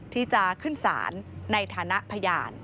ที่จะขึ้นศาลในฐานะพยาน